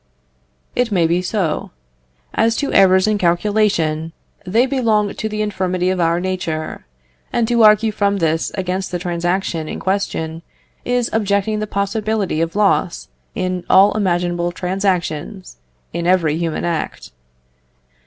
It may be so. As to errors in calculation, they belong to the infirmity of our nature, and to argue from this against the transaction in question, is objecting the possibility of loss in all imaginable transactions, in every human act.